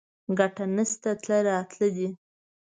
ګټه نشته تله راتله دي